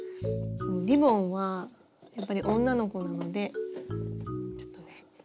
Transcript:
リボンはやっぱり女の子なのでちょっとね